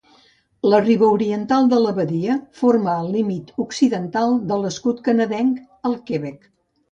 La riba oriental de la badia forma el límit occidental de l'escut canadenc, al Quebec.